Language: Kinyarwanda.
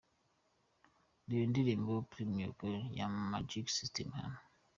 Reba indirimbo Premier Gaou ya Magic System hano:.